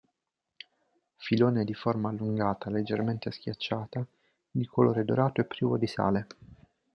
Filone di forma allungata leggermente schiacciata, di colore dorato e privo di sale.